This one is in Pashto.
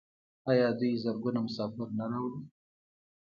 آیا دوی زرګونه مسافر نه راوړي؟